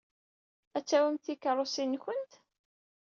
Ad tawyemt tikeṛṛusin-nwent.